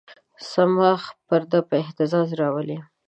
صماخ پرده په اهتزاز راولي.